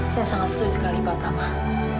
saya sangat setuju sekali pak tamah